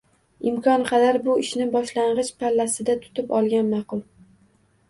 Imkon qadar, bu ishni boshlangich pallasida tutib olgan ma’qul.